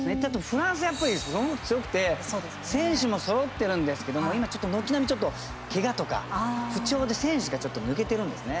フランス、すごく強くて、選手もそろっているんですけれども今、軒並みけがとか、不調で選手が、ちょっと抜けているんですね。